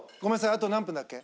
あと何分だっけ？